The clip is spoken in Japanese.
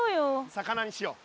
魚にしよう。